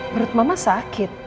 perut mama sakit